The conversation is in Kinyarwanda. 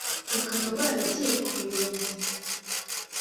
bakaba baragiye ku Ruyenzi